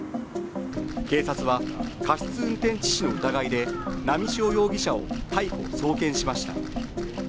警察は過失運転致死の疑いで波汐容疑者を逮捕・送検しました。